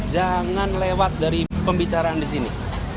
jangan lewat dari pembicaraan di sini